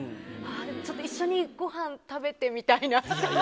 ちょっと一緒に、ごはん食べてみたいなと。